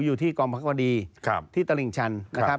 วิวที่กรมภักดีที่ตระหลีงชัน